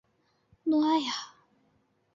诺阿亚。